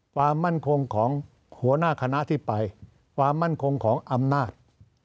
ความมั่นคงของหัวหน้าคณะที่ไปความมั่นคงของอำนาจ